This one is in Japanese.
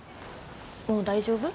もう大丈夫？